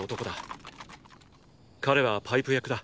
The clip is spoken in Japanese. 彼はパイプ役だ。